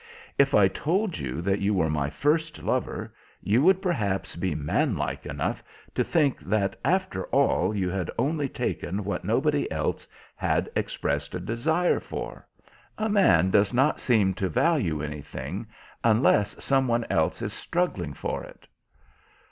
If I told you that you were my first lover, you would perhaps be manlike enough to think that after all you had only taken what nobody else had expressed a desire for. A man does not seem to value anything unless some one else is struggling for it."